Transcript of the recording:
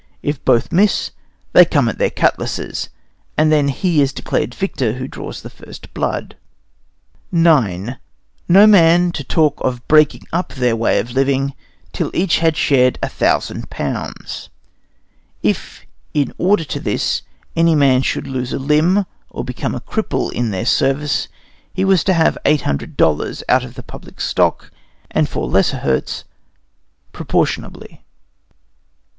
If both miss, they come to their cutlasses, and then he is declared victor who draws the first blood. IX No man to talk of breaking up their way of living till each had shared £1,000. If, in order to this, any man should lose a limb, or become a cripple in their service, he was to have 800 dollars out of the public stock, and for lesser hurts proportionably.